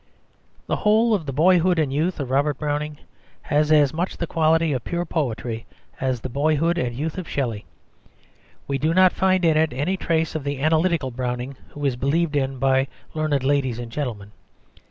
The whole of the boyhood and youth of Robert Browning has as much the quality of pure poetry as the boyhood and youth of Shelley. We do not find in it any trace of the analytical Browning who is believed in by learned ladies and gentlemen.